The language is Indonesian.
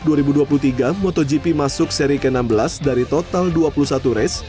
pada tahun dua ribu dua puluh tiga motogp masuk seri ke enam belas dari total dua puluh satu race